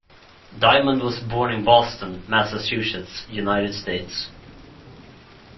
Diamond was born in Boston, Massachusetts, United States.